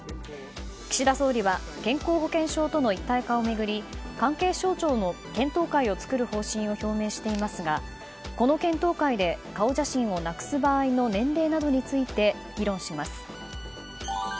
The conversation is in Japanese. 岸田総理は健康保険証との一体化を巡り関係省庁の検討会を作る方針を表明していますがこの検討会で、顔写真をなくす場合の年齢などについて議論します。